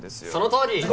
そのとおり！